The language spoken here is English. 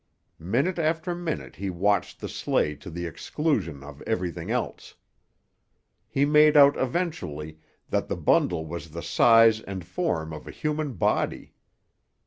Minute after minute he watched the sleigh to the exclusion of everything else. He made out eventually that the bundle was the size and form of a human body.